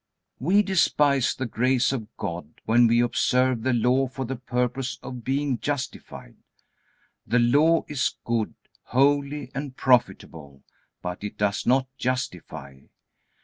We despise the grace of God when we observe the Law for the purpose of being justified. The Law is good, holy, and profitable, but it does not justify.